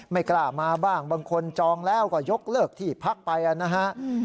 ไม่กล้ามาบ้างบางคนจองแล้วก็ยกเลิกที่พักไปนะฮะ